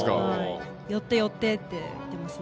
寄って、寄ってって言ってます。